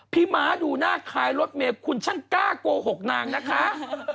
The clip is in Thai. พี่ม้าดูหน้าคลายรถแม่คุณฉันกล้าโกหกนางนะคะ